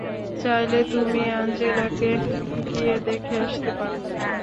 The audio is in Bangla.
চাইলে তুমি অ্যাঞ্জেলাকে গিয়ে দেখে আসতে পারো।